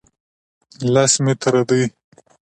لس متره لرې دی